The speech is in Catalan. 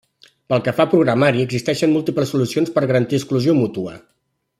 Pel que fa a programari, existeixen múltiples solucions per garantir exclusió mútua.